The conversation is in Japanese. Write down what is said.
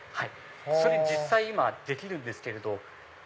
それ実際今できるんですけれど。